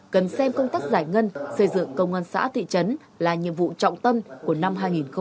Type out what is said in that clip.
cần xem công tác giải ngân xây dựng công an xã thị trấn là nhiệm vụ trọng tâm của năm hai nghìn hai mươi